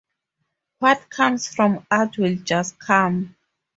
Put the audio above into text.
What comes from art will just come.